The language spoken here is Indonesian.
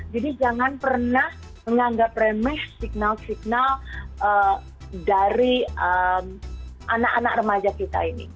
jadi jangan pernah menganggap remes signal signal dari anak anak remaja kita ini